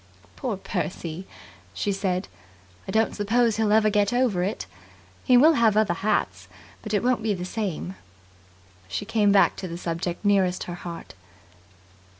"Poor Percy!" she said. "I don't suppose he'll ever get over it. He will have other hats, but it won't be the same." She came back to the subject nearest her heart.